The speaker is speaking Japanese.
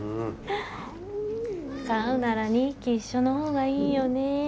飼うなら２匹一緒のほうがいいよね